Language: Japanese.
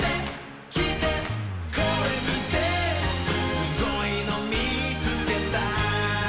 「すごいのみつけた」